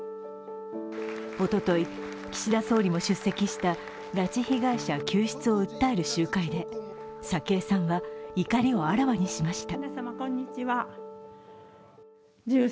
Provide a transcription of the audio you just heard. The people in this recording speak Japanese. おととい、岸田総理も出席した拉致被害者救出を訴える集会で早紀江さんは怒りをあらわにしました。